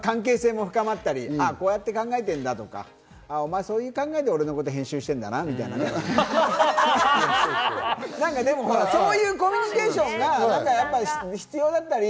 関係性も深まったり、こうやって考えてるんだとか、お前、そういう考えで俺のこと編集してんだなとか、そういうコミュニケーションが必要だったり。